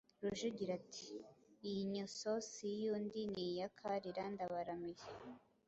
Rujugira, ati «Iyi nyoso si iy'undi ni iya Kalira !» Ndabaramiye,